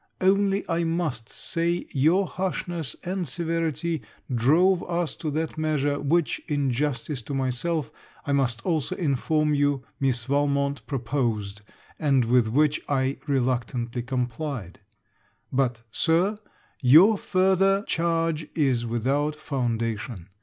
Only, I must say your harshness and severity drove us to that measure, which, in justice to myself, I must also inform you Miss Valmont proposed, and with which I but reluctantly complied. But, Sir, your further charge is without foundation.